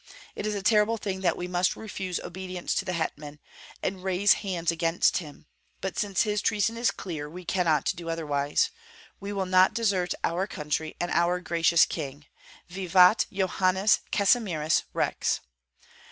It is a terrible thing that we must refuse obedience to the hetman, and raise hands against him; but since his treason is clear, we cannot do otherwise. We will not desert our country and our gracious king Vivat Johannes Casimirus Rex!"